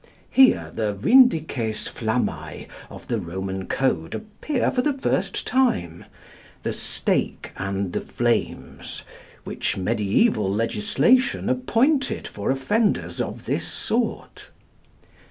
Here the vindices flammæ of the Roman code appear for the first time the stake and the flames, which mediæval legislation appointed for offenders of this sort.